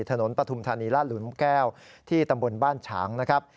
ปฐุมธานีลาดหลุมแก้วที่ตำบลบ้านฉางนะครับ